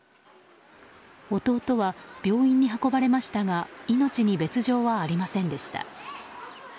弟は病院に運ばれましたが命に別条はありませんでした。